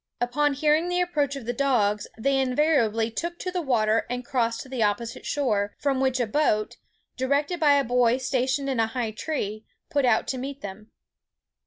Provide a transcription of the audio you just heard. Upon hearing the approach of the dogs, they invariably took to the water and crossed to the opposite shore, from which a boat, directed by a boy stationed in a high tree, put out to meet them.